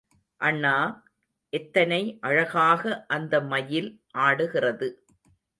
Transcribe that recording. அண்ணா, எத்தனை அழகாக அந்த மயில் ஆடுகிறது.